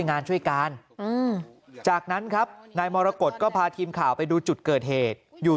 งานช่วยการจากนั้นครับนายมรกฏก็พาทีมข่าวไปดูจุดเกิดเหตุอยู่